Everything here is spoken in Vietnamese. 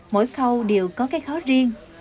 mỗi khâu đều có cái khó riêng